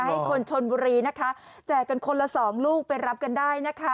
ให้คนชนบุรีนะคะแจกกันคนละสองลูกไปรับกันได้นะคะ